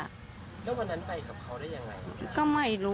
แล้ววันนั้นไปกับเขาได้อย่างไร